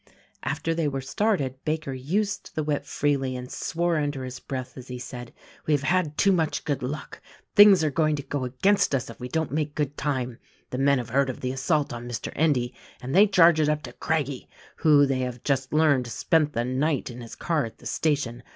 After they were started Baker used the whip freely and swore under his breath as he said, "We have had too much good luck; things are going to go against us if we don't make good time. The men have heard of the assault on Mr. Endy and they charge it up to Craggie, who, they have just learned, spent the night in his car at the station.